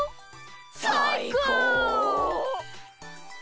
さいこう！